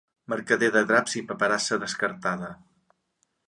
Mercader de draps i paperassa descartada.